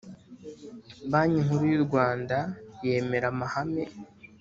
Banki Nkuru y u Rwanda yemera amahame